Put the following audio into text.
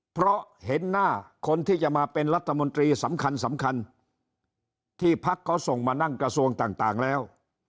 เพราะเห็นหน้าคนที่จะมาเป็นรัฐมนตรีสำคัญสำคัญที่พักเขาส่งมานั่งกระทรวงต่างแล้ว